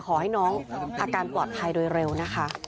ขอให้น้องอาการปลอดภัยโดยเร็วนะคะ